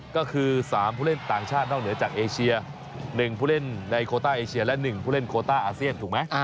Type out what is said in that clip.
ก็คือ๓ผู้เล่นต่างชาตินอกเหนือจากเอเชีย๑ผู้เล่นในโคต้าเอเชียและ๑ผู้เล่นโคต้าอาเซียนถูกไหม